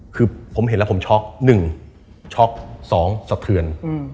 คือผมเห็นแล้วผมช็อก๑ช็อก๒สะเทือน